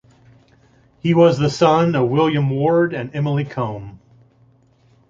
He was the son of William Ward and Emily Combe.